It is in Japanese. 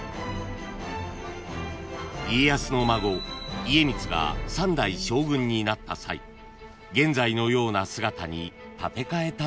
［家康の孫家光が三代将軍になった際現在のような姿に建て替えたという］